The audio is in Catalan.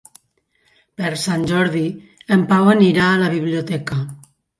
Per Sant Jordi en Pau anirà a la biblioteca.